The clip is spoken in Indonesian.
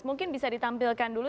mungkin bisa ditampilkan dulu